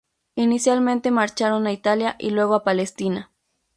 Inicialmente marcharon a Italia y luego a Palestina.